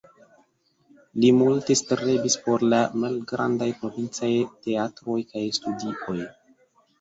Li multe strebis por la malgrandaj provincaj teatroj kaj studioj.